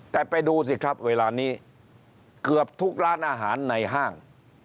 แต่ไปดูสิครับเวลานี้เกือบทุกร้านอาหารในห้าง